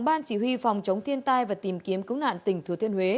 ban chỉ huy phòng chống thiên tai và tìm kiếm cứu nạn tỉnh thừa thiên huế